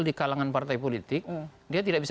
di kalangan partai politik dia tidak bisa